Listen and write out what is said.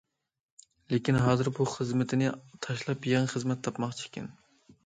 لېكىن، ھازىر بۇ خىزمىتىنى تاشلاپ يېڭى خىزمەت تاپماقچى ئىكەن.